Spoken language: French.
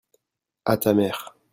à ta mère.